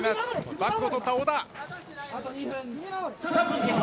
バックを取った太田。